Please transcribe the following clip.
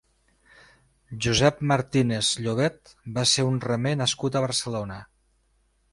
Josep Martínez Llobet va ser un remer nascut a Barcelona.